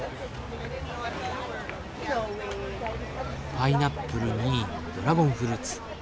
パイナップルにドラゴンフルーツ。